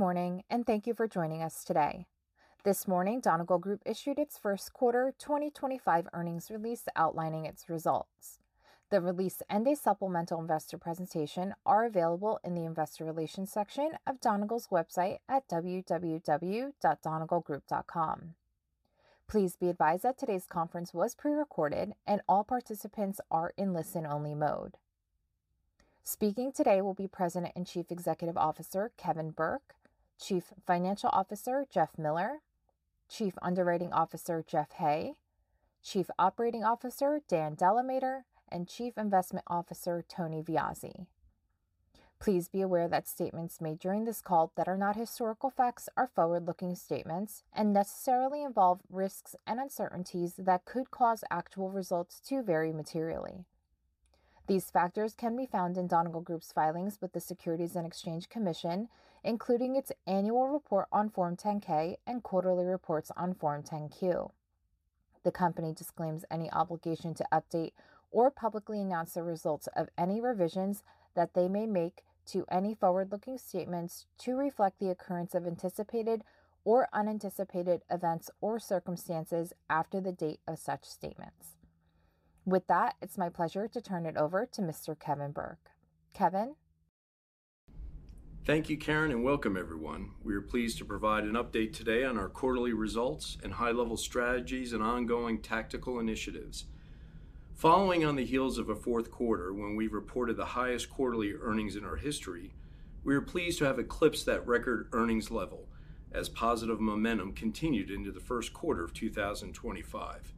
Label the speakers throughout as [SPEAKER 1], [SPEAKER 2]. [SPEAKER 1] Good morning, and thank you for joining us today. This morning, Donegal Group issued its first quarter 2025 earnings release outlining its results. The release and a supplemental investor presentation are available in the investor relations section of Donegal's website at www.donegalgroup.com. Please be advised that today's conference was pre-recorded, and all participants are in listen-only mode. Speaking today will be President and Chief Executive Officer Kevin Burke, Chief Financial Officer Jeff Miller, Chief Underwriting Officer Jeff Hay, Chief Operating Officer Dan DeLamater, and Chief Investment Officer Tony Viozzi. Please be aware that statements made during this call that are not historical facts are forward-looking statements and necessarily involve risks and uncertainties that could cause actual results to vary materially. These factors can be found in Donegal Group's filings with the Securities and Exchange Commission, including its annual report on Form 10-K and quarterly reports on Form 10-Q. The company disclaims any obligation to update or publicly announce the results of any revisions that they may make to any forward-looking statements to reflect the occurrence of anticipated or unanticipated events or circumstances after the date of such statements. With that, it's my pleasure to turn it over to Mr. Kevin Burke. Kevin.
[SPEAKER 2] Thank you, Karin, and welcome, everyone. We are pleased to provide an update today on our quarterly results and high-level strategies and ongoing tactical initiatives. Following on the heels of a fourth quarter, when we reported the highest quarterly earnings in our history, we are pleased to have eclipsed that record earnings level as positive momentum continued into the first quarter of 2025.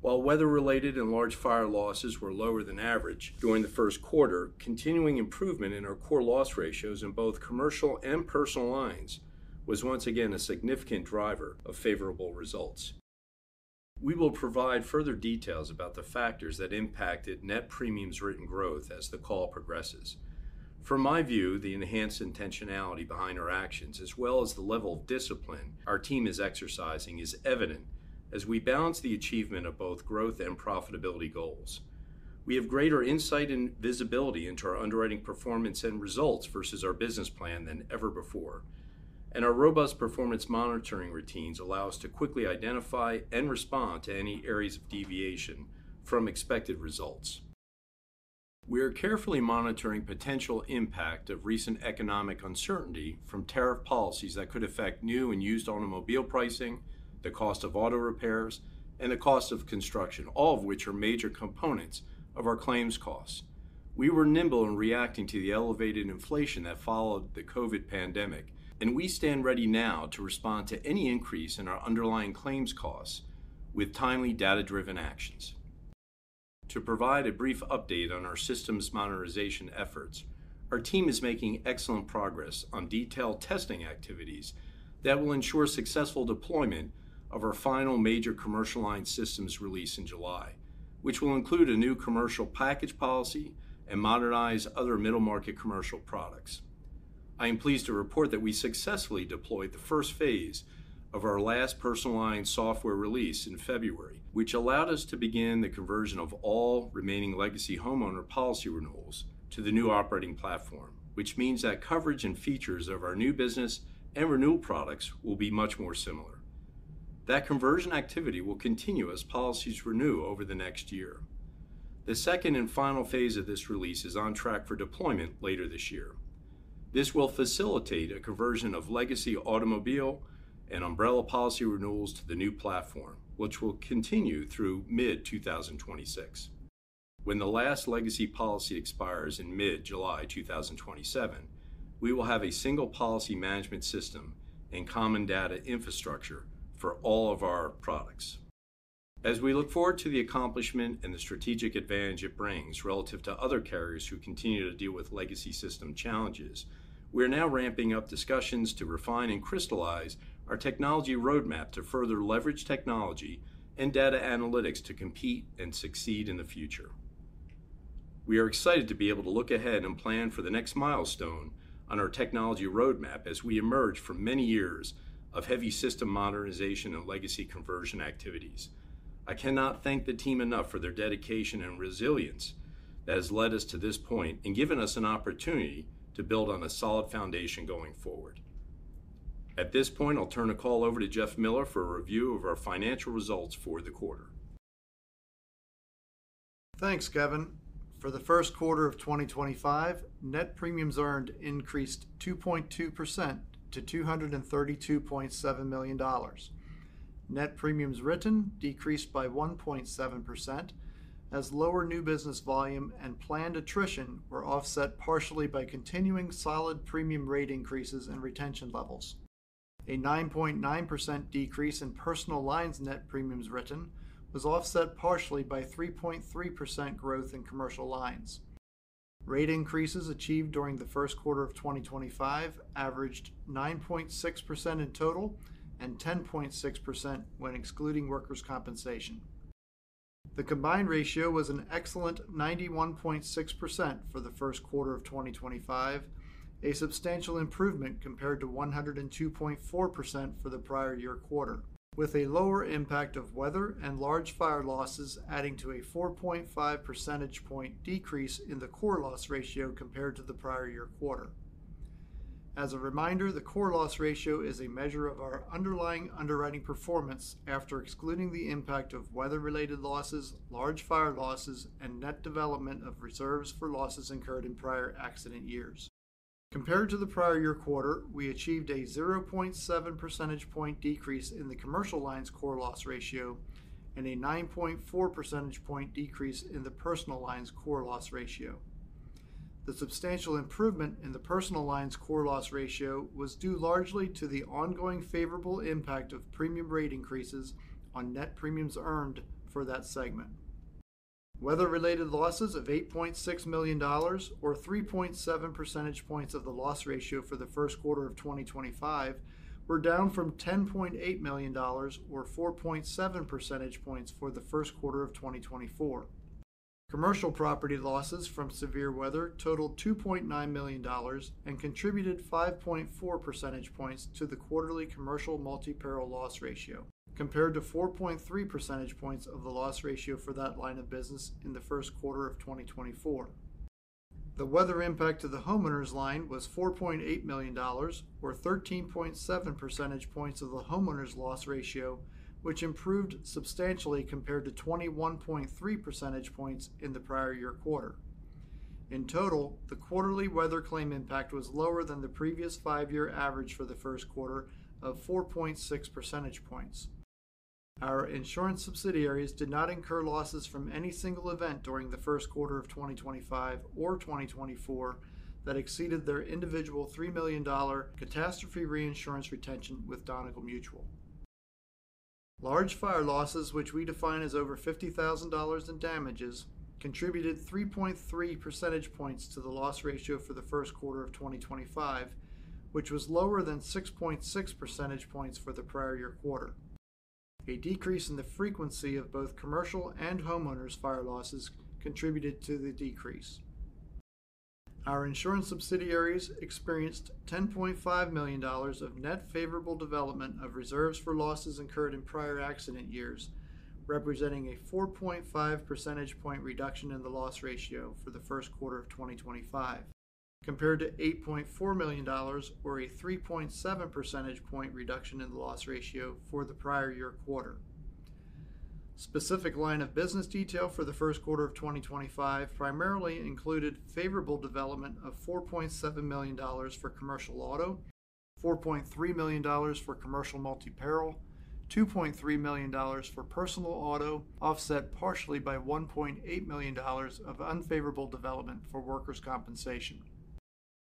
[SPEAKER 2] While weather-related and large fire losses were lower than average during the first quarter, continuing improvement in our core loss ratios in both commercial and personal lines was once again a significant driver of favorable results. We will provide further details about the factors that impacted net premiums written growth as the call progresses. From my view, the enhanced intentionality behind our actions, as well as the level of discipline our team is exercising, is evident as we balance the achievement of both growth and profitability goals. We have greater insight and visibility into our underwriting performance and results versus our business plan than ever before, and our robust performance monitoring routines allow us to quickly identify and respond to any areas of deviation from expected results. We are carefully monitoring the potential impact of recent economic uncertainty from tariff policies that could affect new and used automobile pricing, the cost of auto repairs, and the cost of construction, all of which are major components of our claims costs. We were nimble in reacting to the elevated inflation that followed the COVID pandemic, and we stand ready now to respond to any increase in our underlying claims costs with timely data-driven actions. To provide a brief update on our systems modernization efforts, our team is making excellent progress on detailed testing activities that will ensure successful deployment of our final major commercial line systems release in July, which will include a new commercial package policy and modernize other middle-market commercial products. I am pleased to report that we successfully deployed the first phase of our last personal line software release in February, which allowed us to begin the conversion of all remaining legacy homeowner policy renewals to the new operating platform, which means that coverage and features of our new business and renewal products will be much more similar. That conversion activity will continue as policies renew over the next year. The second and final phase of this release is on track for deployment later this year. This will facilitate a conversion of legacy automobile and umbrella policy renewals to the new platform, which will continue through mid-2026. When the last legacy policy expires in mid-July 2027, we will have a single policy management system and common data infrastructure for all of our products. As we look forward to the accomplishment and the strategic advantage it brings relative to other carriers who continue to deal with legacy system challenges, we are now ramping up discussions to refine and crystallize our technology roadmap to further leverage technology and data analytics to compete and succeed in the future. We are excited to be able to look ahead and plan for the next milestone on our technology roadmap as we emerge from many years of heavy system modernization and legacy conversion activities. I cannot thank the team enough for their dedication and resilience that has led us to this point and given us an opportunity to build on a solid foundation going forward. At this point, I'll turn the call over to Jeff Miller for a review of our financial results for the quarter.
[SPEAKER 3] Thanks, Kevin. For the first quarter of 2025, net premiums earned increased 2.2% to $232.7 million. Net premiums written decreased by 1.7% as lower new business volume and planned attrition were offset partially by continuing solid premium rate increases and retention levels. A 9.9% decrease in personal lines net premiums written was offset partially by 3.3% growth in commercial lines. Rate increases achieved during the first quarter of 2025 averaged 9.6% in total and 10.6% when excluding workers' compensation. The combined ratio was an excellent 91.6% for the first quarter of 2025, a substantial improvement compared to 102.4% for the prior year quarter, with a lower impact of weather and large fire losses adding to a 4.5 percentage point decrease in the core loss ratio compared to the prior year quarter. As a reminder, the core loss ratio is a measure of our underlying underwriting performance after excluding the impact of weather-related losses, large fire losses, and net development of reserves for losses incurred in prior accident years. Compared to the prior year quarter, we achieved a 0.7 percentage point decrease in the commercial line's core loss ratio and a 9.4 percentage point decrease in the personal line's core loss ratio. The substantial improvement in the personal line's core loss ratio was due largely to the ongoing favorable impact of premium rate increases on net premiums earned for that segment. Weather-related losses of $8.6 million or 3.7% of the loss ratio for the first quarter of 2025 were down from $10.8 million or 4.7% for the first quarter of 2024. Commercial property losses from severe weather totaled $2.9 million and contributed 5.4 percentage points to the quarterly commercial multi-peril loss ratio, compared to 4.3 percentage points of the loss ratio for that line of business in the first quarter of 2024. The weather impact to the homeowners line was $4.8 million or 13.7 percentage points of the homeowners loss ratio, which improved substantially compared to 21.3 percentage points in the prior year quarter. In total, the quarterly weather claim impact was lower than the previous five-year average for the first quarter of 4.6 percentage points. Our insurance subsidiaries did not incur losses from any single event during the first quarter of 2025 or 2024 that exceeded their individual $3 million catastrophe reinsurance retention with Donegal Mutual. Large fire losses, which we define as over $50,000 in damages, contributed 3.3 percentage points to the loss ratio for the first quarter of 2025, which was lower than 6.6 percentage points for the prior year quarter. A decrease in the frequency of both commercial and homeowners fire losses contributed to the decrease. Our insurance subsidiaries experienced $10.5 million of net favorable development of reserves for losses incurred in prior accident years, representing a 4.5 percentage point reduction in the loss ratio for the first quarter of 2025, compared to $8.4 million or a 3.7 percentage point reduction in the loss ratio for the prior year quarter. Specific line of business detail for the first quarter of 2025 primarily included favorable development of $4.7 million for commercial auto, $4.3 million for commercial multi-peril, $2.3 million for personal auto, offset partially by $1.8 million of unfavorable development for workers' compensation.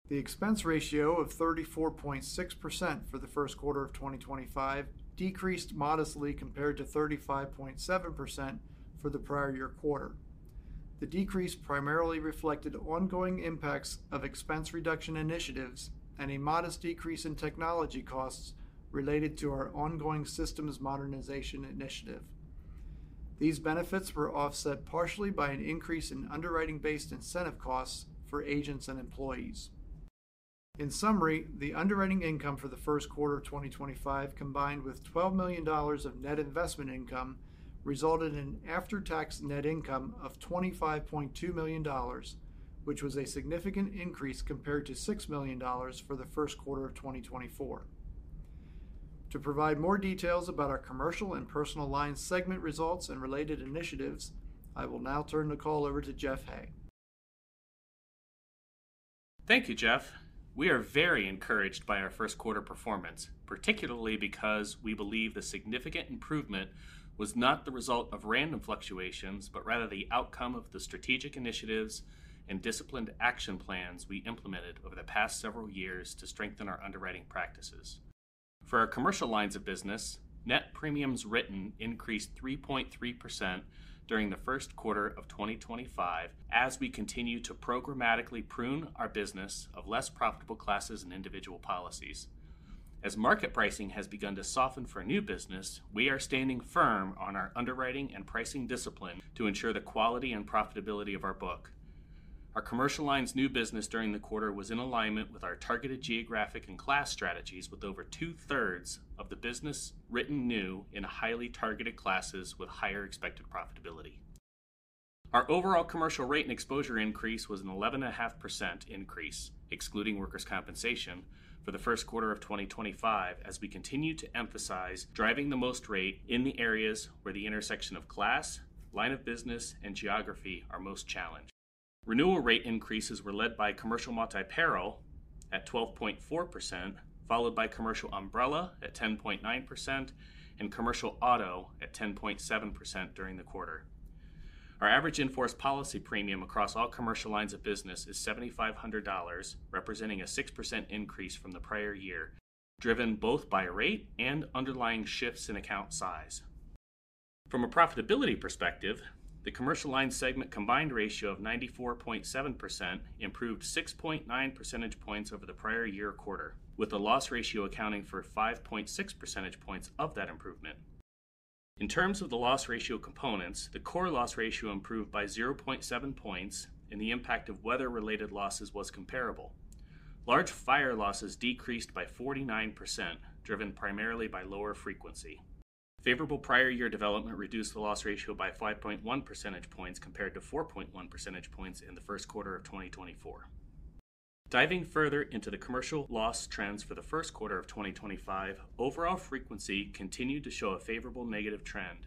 [SPEAKER 3] The expense ratio of 34.6% for the first quarter of 2025 decreased modestly compared to 35.7% for the prior year quarter. The decrease primarily reflected ongoing impacts of expense reduction initiatives and a modest decrease in technology costs related to our ongoing systems modernization initiative. These benefits were offset partially by an increase in underwriting-based incentive costs for agents and employees. In summary, the underwriting income for the first quarter of 2025, combined with $12 million of net investment income, resulted in an after-tax net income of $25.2 million, which was a significant increase compared to $6 million for the first quarter of 2024. To provide more details about our commercial and personal line segment results and related initiatives, I will now turn the call over to Jeff Hay.
[SPEAKER 4] Thank you, Jeff. We are very encouraged by our first quarter performance, particularly because we believe the significant improvement was not the result of random fluctuations, but rather the outcome of the strategic initiatives and disciplined action plans we implemented over the past several years to strengthen our underwriting practices. For our commercial lines of business, net premiums written increased 3.3% during the first quarter of 2025 as we continue to programmatically prune our business of less profitable classes and individual policies. As market pricing has begun to soften for new business, we are standing firm on our underwriting and pricing discipline to ensure the quality and profitability of our book. Our commercial line's new business during the quarter was in alignment with our targeted geographic and class strategies, with over two-thirds of the business written new in highly targeted classes with higher expected profitability. Our overall commercial rate and exposure increase was an 11.5% increase, excluding workers' compensation, for the first quarter of 2025 as we continue to emphasize driving the most rate in the areas where the intersection of class, line of business, and geography are most challenged. Renewal rate increases were led by commercial multi-peril at 12.4%, followed by commercial umbrella at 10.9%, and commercial auto at 10.7% during the quarter. Our average in-force policy premium across all commercial lines of business is $7,500, representing a 6% increase from the prior year, driven both by rate and underlying shifts in account size. From a profitability perspective, the commercial line segment combined ratio of 94.7% improved 6.9 percentage points over the prior year quarter, with the loss ratio accounting for 5.6 percentage points of that improvement. In terms of the loss ratio components, the core loss ratio improved by 0.7 points, and the impact of weather-related losses was comparable. Large fire losses decreased by 49%, driven primarily by lower frequency. Favorable prior year development reduced the loss ratio by 5.1 percentage points compared to 4.1 percentage points in the first quarter of 2024. Diving further into the commercial loss trends for the first quarter of 2025, overall frequency continued to show a favorable negative trend.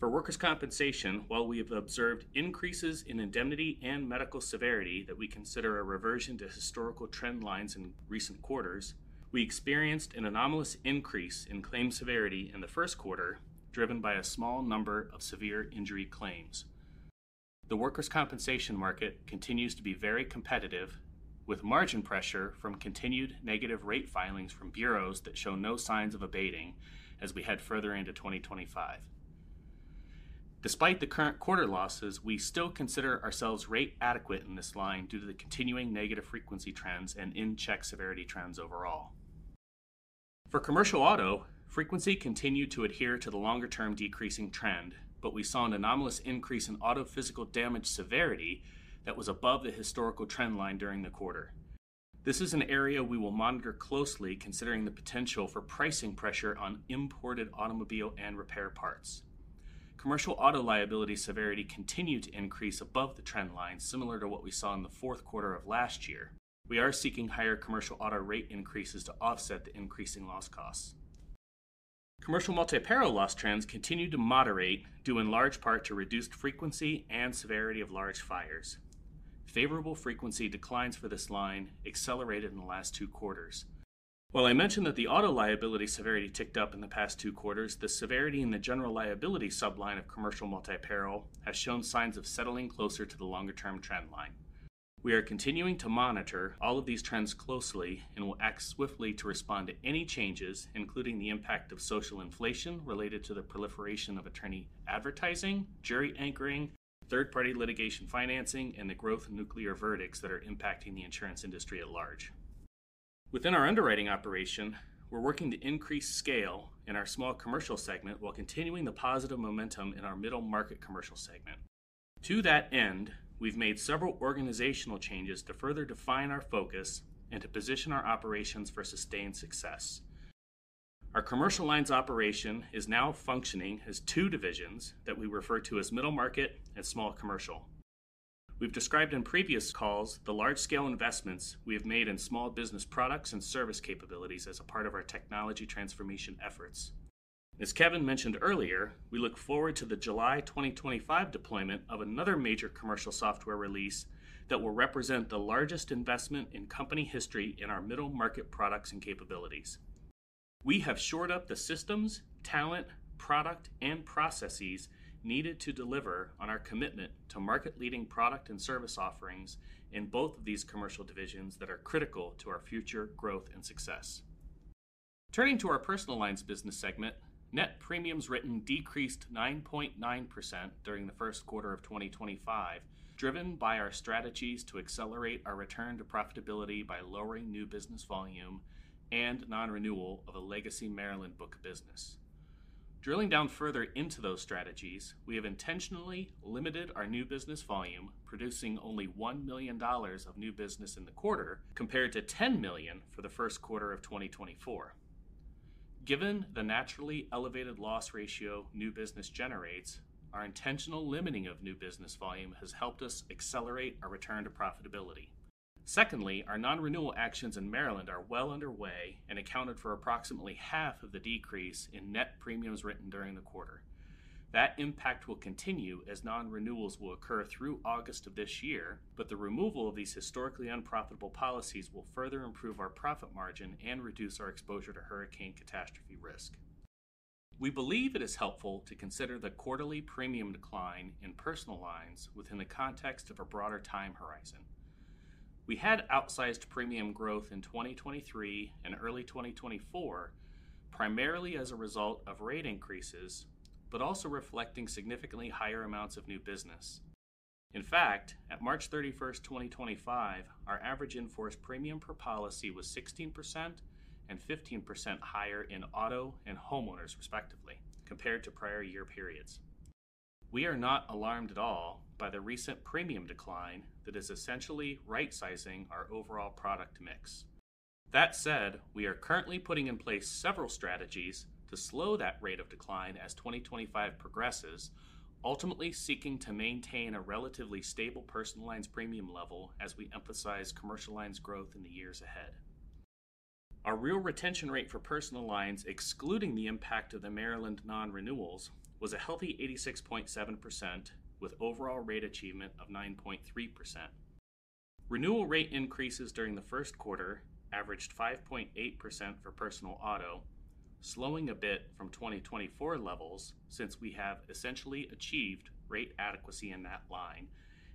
[SPEAKER 4] For workers' compensation, while we have observed increases in indemnity and medical severity that we consider a reversion to historical trend lines in recent quarters, we experienced an anomalous increase in claim severity in the first quarter, driven by a small number of severe injury claims. The workers' compensation market continues to be very competitive, with margin pressure from continued negative rate filings from bureaus that show no signs of abating as we head further into 2025. Despite the current quarter losses, we still consider ourselves rate adequate in this line due to the continuing negative frequency trends and in-check severity trends overall. For commercial auto, frequency continued to adhere to the longer-term decreasing trend, but we saw an anomalous increase in auto physical damage severity that was above the historical trend line during the quarter. This is an area we will monitor closely, considering the potential for pricing pressure on imported automobile and repair parts. Commercial auto liability severity continued to increase above the trend line, similar to what we saw in the fourth quarter of last year. We are seeking higher commercial auto rate increases to offset the increasing loss costs. Commercial multi-peril loss trends continue to moderate due in large part to reduced frequency and severity of large fires. Favorable frequency declines for this line accelerated in the last two quarters. While I mentioned that the auto liability severity ticked up in the past two quarters, the severity in the general liability subline of commercial multi-peril has shown signs of settling closer to the longer-term trend line. We are continuing to monitor all of these trends closely and will act swiftly to respond to any changes, including the impact of social inflation related to the proliferation of attorney advertising, jury anchoring, third-party litigation financing, and the growth of nuclear verdicts that are impacting the insurance industry at large. Within our underwriting operation, we're working to increase scale in our small commercial segment while continuing the positive momentum in our middle market commercial segment. To that end, we've made several organizational changes to further define our focus and to position our operations for sustained success. Our commercial lines operation is now functioning as two divisions that we refer to as middle market and small commercial. We've described in previous calls the large-scale investments we have made in small business products and service capabilities as a part of our technology transformation efforts. As Kevin mentioned earlier, we look forward to the July 2025 deployment of another major commercial software release that will represent the largest investment in company history in our middle market products and capabilities. We have shored up the systems, talent, product, and processes needed to deliver on our commitment to market-leading product and service offerings in both of these commercial divisions that are critical to our future growth and success. Turning to our personal lines business segment, net premiums written decreased 9.9% during the first quarter of 2025, driven by our strategies to accelerate our return to profitability by lowering new business volume and non-renewal of a legacy Maryland book business. Drilling down further into those strategies, we have intentionally limited our new business volume, producing only $1 million of new business in the quarter compared to $10 million for the first quarter of 2024. Given the naturally elevated loss ratio new business generates, our intentional limiting of new business volume has helped us accelerate our return to profitability. Secondly, our non-renewal actions in Maryland are well underway and accounted for approximately half of the decrease in net premiums written during the quarter. That impact will continue as non-renewals will occur through August of this year, but the removal of these historically unprofitable policies will further improve our profit margin and reduce our exposure to hurricane catastrophe risk. We believe it is helpful to consider the quarterly premium decline in personal lines within the context of a broader time horizon. We had outsized premium growth in 2023 and early 2024, primarily as a result of rate increases, but also reflecting significantly higher amounts of new business. In fact, at March 31st, 2025, our average enforced premium per policy was 16% and 15% higher in auto and homeowners, respectively, compared to prior year periods. We are not alarmed at all by the recent premium decline that is essentially right-sizing our overall product mix. That said, we are currently putting in place several strategies to slow that rate of decline as 2025 progresses, ultimately seeking to maintain a relatively stable personal lines premium level as we emphasize commercial lines growth in the years ahead. Our real retention rate for personal lines, excluding the impact of the Maryland non-renewals, was a healthy 86.7%, with overall rate achievement of 9.3%. Renewal rate increases during the first quarter averaged 5.8% for personal auto, slowing a bit from 2024 levels since we have essentially achieved rate adequacy in that line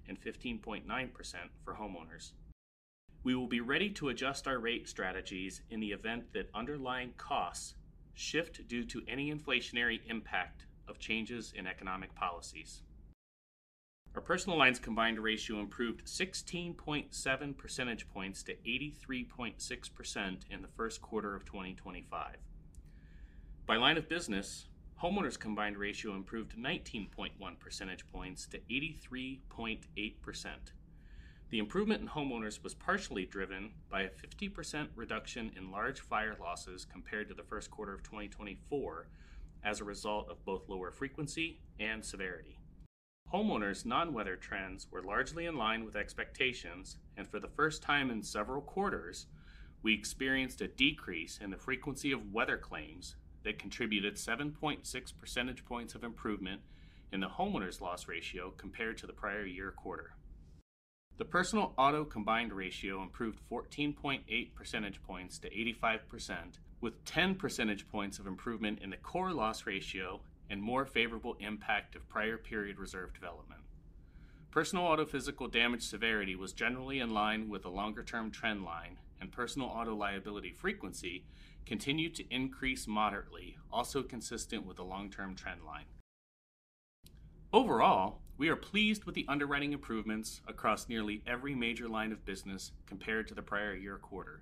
[SPEAKER 4] and 15.9% for homeowners. We will be ready to adjust our rate strategies in the event that underlying costs shift due to any inflationary impact of changes in economic policies. Our personal lines combined ratio improved 16.7 percentage points to 83.6% in the first quarter of 2025. By line of business, homeowners' combined ratio improved 19.1 percentage points to 83.8%. The improvement in homeowners was partially driven by a 50% reduction in large fire losses compared to the first quarter of 2024 as a result of both lower frequency and severity. Homeowners' non-weather trends were largely in line with expectations, and for the first time in several quarters, we experienced a decrease in the frequency of weather claims that contributed 7.6 percentage points of improvement in the homeowners' loss ratio compared to the prior year quarter. The personal auto combined ratio improved 14.8 percentage points to 85%, with 10 percentage points of improvement in the core loss ratio and more favorable impact of prior period reserve development. Personal auto physical damage severity was generally in line with the longer-term trend line, and personal auto liability frequency continued to increase moderately, also consistent with the long-term trend line. Overall, we are pleased with the underwriting improvements across nearly every major line of business compared to the prior year quarter.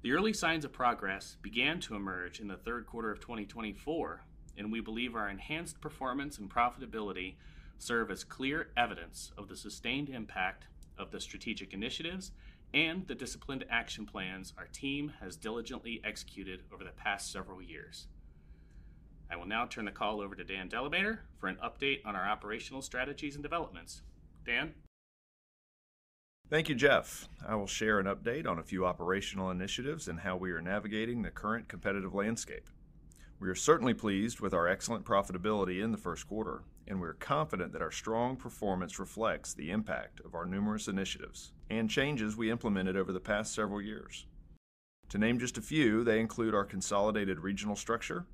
[SPEAKER 4] The early signs of progress began to emerge in the third quarter of 2024, and we believe our enhanced performance and profitability serve as clear evidence of the sustained impact of the strategic initiatives and the disciplined action plans our team has diligently executed over the past several years. I will now turn the call over to Dan DeLamater for an update on our operational strategies and developments. Dan.
[SPEAKER 5] Thank you, Jeff. I will share an update on a few operational initiatives and how we are navigating the current competitive landscape. We are certainly pleased with our excellent profitability in the first quarter, and we are confident that our strong performance reflects the impact of our numerous initiatives and changes we implemented over the past several years. To name just a few, they include our consolidated regional structure,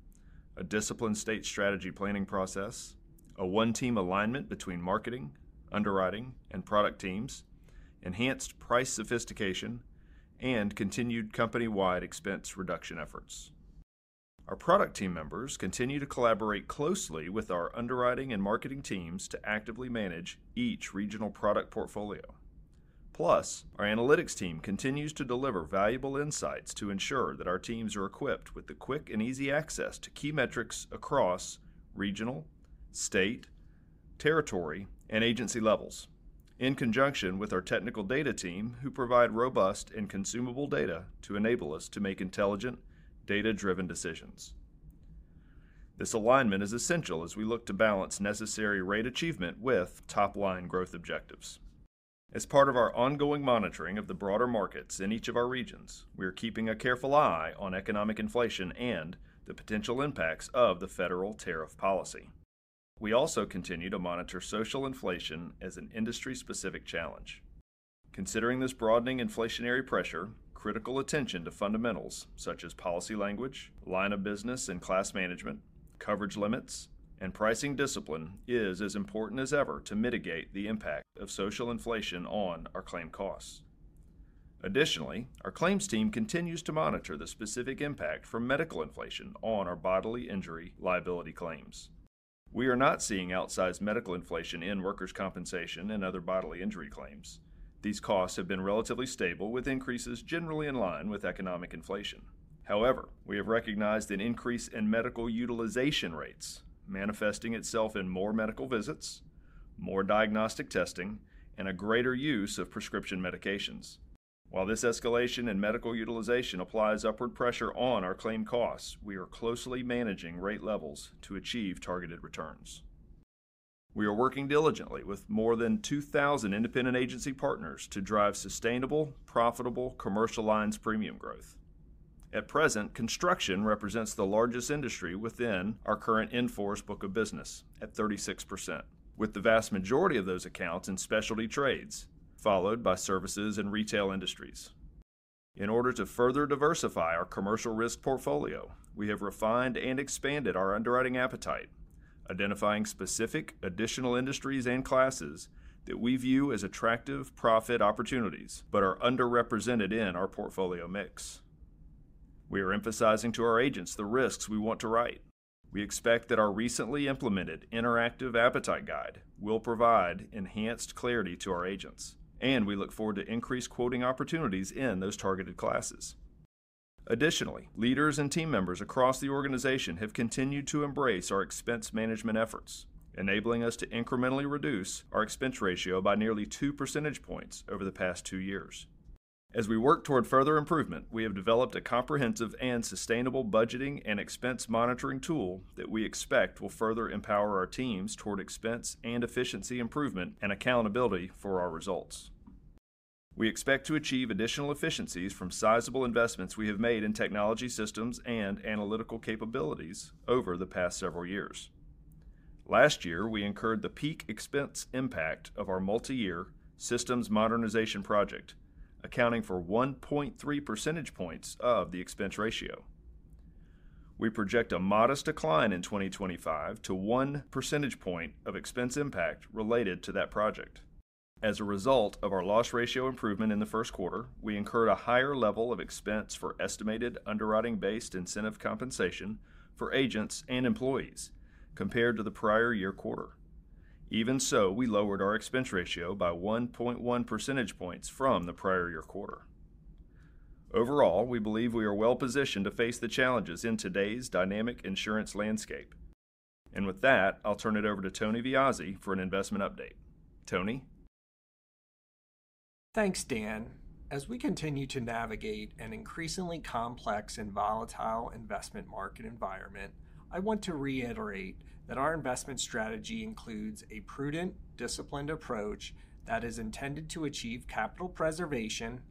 [SPEAKER 5] a disciplined state strategy planning process, a one-team alignment between marketing, underwriting, and product teams, enhanced price sophistication, and continued company-wide expense reduction efforts. Our product team members continue to collaborate closely with our underwriting and marketing teams to actively manage each regional product portfolio. Plus, our analytics team continues to deliver valuable insights to ensure that our teams are equipped with the quick and easy access to key metrics across regional, state, territory, and agency levels, in conjunction with our technical data team, who provide robust and consumable data to enable us to make intelligent, data-driven decisions. This alignment is essential as we look to balance necessary rate achievement with top-line growth objectives. As part of our ongoing monitoring of the broader markets in each of our regions, we are keeping a careful eye on economic inflation and the potential impacts of the federal tariff policy. We also continue to monitor social inflation as an industry-specific challenge. Considering this broadening inflationary pressure, critical attention to fundamentals such as policy language, line of business and class management, coverage limits, and pricing discipline is as important as ever to mitigate the impact of social inflation on our claim costs. Additionally, our claims team continues to monitor the specific impact from medical inflation on our bodily injury liability claims. We are not seeing outsized medical inflation in workers' compensation and other bodily injury claims. These costs have been relatively stable, with increases generally in line with economic inflation. However, we have recognized an increase in medical utilization rates, manifesting itself in more medical visits, more diagnostic testing, and a greater use of prescription medications. While this escalation in medical utilization applies upward pressure on our claim costs, we are closely managing rate levels to achieve targeted returns. We are working diligently with more than 2,000 independent agency partners to drive sustainable, profitable commercial lines premium growth. At present, construction represents the largest industry within our current in-force book of business at 36%, with the vast majority of those accounts in specialty trades, followed by services and retail industries. In order to further diversify our commercial risk portfolio, we have refined and expanded our underwriting appetite, identifying specific additional industries and classes that we view as attractive profit opportunities but are underrepresented in our portfolio mix. We are emphasizing to our agents the risks we want to write. We expect that our recently implemented interactive appetite guide will provide enhanced clarity to our agents, and we look forward to increased quoting opportunities in those targeted classes. Additionally, leaders and team members across the organization have continued to embrace our expense management efforts, enabling us to incrementally reduce our expense ratio by nearly two percentage points over the past two years. As we work toward further improvement, we have developed a comprehensive and sustainable budgeting and expense monitoring tool that we expect will further empower our teams toward expense and efficiency improvement and accountability for our results. We expect to achieve additional efficiencies from sizable investments we have made in technology systems and analytical capabilities over the past several years. Last year, we incurred the peak expense impact of our multi-year systems modernization project, accounting for 1.3 percentage points of the expense ratio. We project a modest decline in 2025 to one percentage point of expense impact related to that project. As a result of our loss ratio improvement in the first quarter, we incurred a higher level of expense for estimated underwriting-based incentive compensation for agents and employees compared to the prior year quarter. Even so, we lowered our expense ratio by 1.1 percentage points from the prior year quarter. Overall, we believe we are well positioned to face the challenges in today's dynamic insurance landscape. I'll turn it over to Tony Viozzi for an investment update. Tony?
[SPEAKER 6] Thanks, Dan. As we continue to navigate an increasingly complex and volatile investment market environment, I want to reiterate that our investment strategy includes a prudent, disciplined approach that is intended to achieve capital preservation,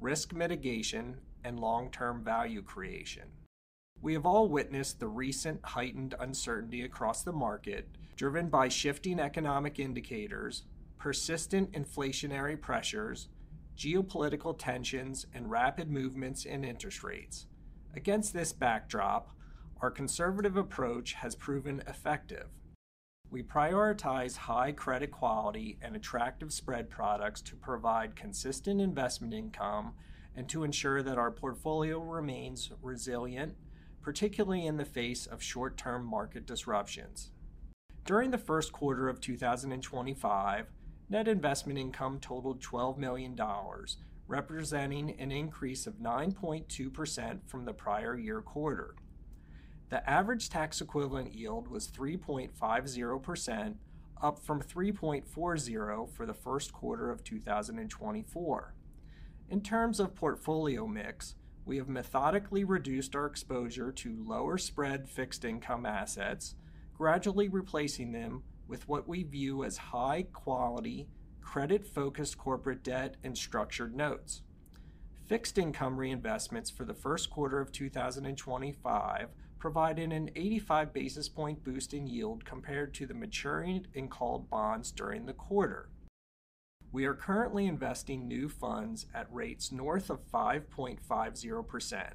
[SPEAKER 6] risk mitigation, and long-term value creation. We have all witnessed the recent heightened uncertainty across the market, driven by shifting economic indicators, persistent inflationary pressures, geopolitical tensions, and rapid movements in interest rates. Against this backdrop, our conservative approach has proven effective. We prioritize high credit quality and attractive spread products to provide consistent investment income and to ensure that our portfolio remains resilient, particularly in the face of short-term market disruptions. During the first quarter of 2025, net investment income totaled $12 million, representing an increase of 9.2% from the prior year quarter. The average tax equivalent yield was 3.50%, up from 3.40% for the first quarter of 2024. In terms of portfolio mix, we have methodically reduced our exposure to lower spread fixed income assets, gradually replacing them with what we view as high-quality, credit-focused corporate debt and structured notes. Fixed income reinvestments for the first quarter of 2025 provided an 85 basis point boost in yield compared to the maturing and called bonds during the quarter. We are currently investing new funds at rates north of 5.50%,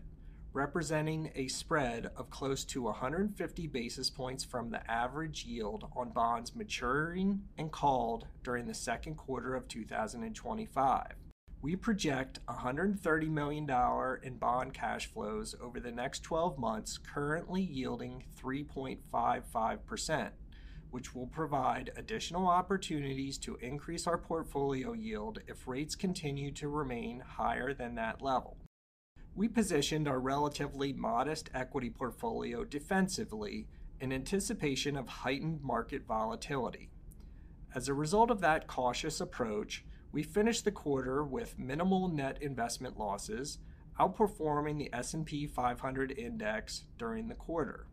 [SPEAKER 6] representing a spread of close to 150 basis points from the average yield on bonds maturing and called during the second quarter of 2025. We project $130 million in bond cash flows over the next 12 months, currently yielding 3.55%, which will provide additional opportunities to increase our portfolio yield if rates continue to remain higher than that level. We positioned our relatively modest equity portfolio defensively in anticipation of heightened market volatility. As a result of that cautious approach, we finished the quarter with minimal net investment losses, outperforming the S&P 500 index during the quarter.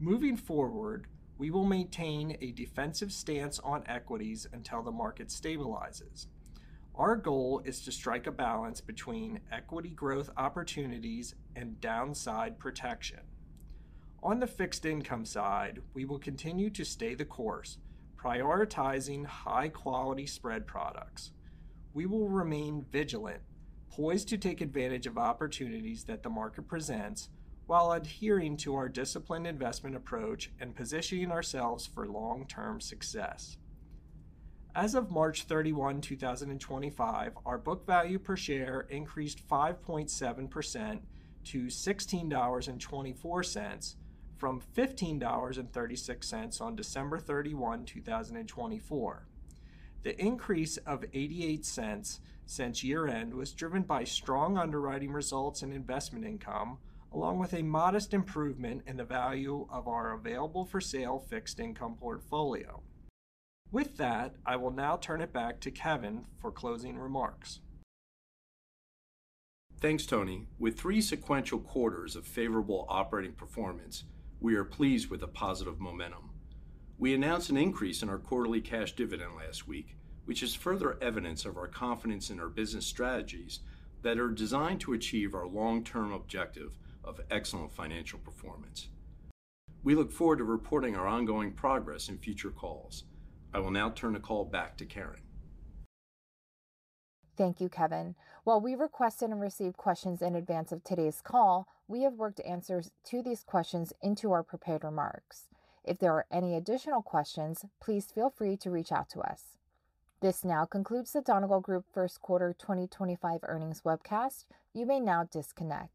[SPEAKER 6] Moving forward, we will maintain a defensive stance on equities until the market stabilizes. Our goal is to strike a balance between equity growth opportunities and downside protection. On the fixed income side, we will continue to stay the course, prioritizing high-quality spread products. We will remain vigilant, poised to take advantage of opportunities that the market presents while adhering to our disciplined investment approach and positioning ourselves for long-term success. As of March 31st, 2025, our book value per share increased 5.7% to $16.24 from $15.36 on December 31, 2024. The increase of $0.88 since year-end was driven by strong underwriting results and investment income, along with a modest improvement in the value of our available-for-sale fixed income portfolio. With that, I will now turn it back to Kevin for closing remarks.
[SPEAKER 2] Thanks, Tony. With three sequential quarters of favorable operating performance, we are pleased with the positive momentum. We announced an increase in our quarterly cash dividend last week, which is further evidence of our confidence in our business strategies that are designed to achieve our long-term objective of excellent financial performance. We look forward to reporting our ongoing progress in future calls. I will now turn the call back to Karin.
[SPEAKER 1] Thank you, Kevin. While we requested and received questions in advance of today's call, we have worked to answer these questions into our prepared remarks. If there are any additional questions, please feel free to reach out to us. This now concludes the Donegal Group First Quarter 2025 earnings webcast. You may now disconnect.